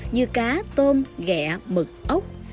như cá tôm ghẹ mực ốc